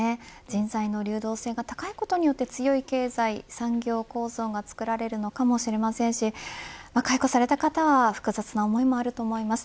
人材の流動性が高いことで強い経済、産業構造が作られるのかもしれませんし解雇された方は複雑な思いもあると思います。